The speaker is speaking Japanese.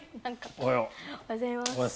おはようございます。